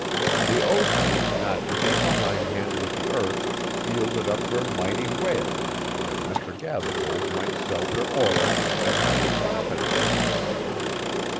The ocean, not to be behindhand with the earth, yielded up her mighty whales, that Mr. Gathergold might sell their oil, and make a profit on it.